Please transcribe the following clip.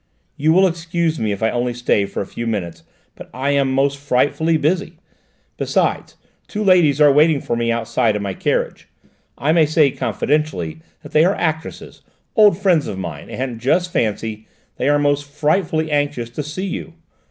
"You will excuse me if I only stay for a few minutes, but I am most frightfully busy; besides, two ladies are waiting for me outside in my carriage: I may say confidentially that they are actresses, old friends of mine, and, just fancy, they are most frightfully anxious to see you!